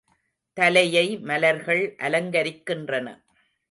தலையை மலர்கள் அலங்கரிக்கின்றன.